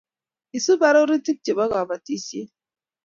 Isub arorutik Chebo kapotisiet